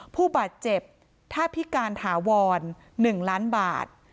ผู้บาดเจ็บถ้าพิการถาวร๑ล้านบาท